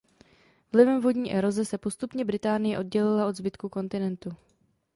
Vlivem vodní eroze se postupně Británie oddělila od zbytku kontinentu.